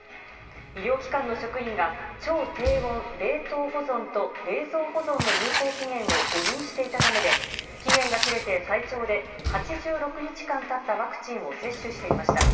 医療機関の職員が超低温冷凍保存と冷蔵保存の有効期限を誤認していたためで期限が切れて最長で８６日間経ったワクチンを接種していました。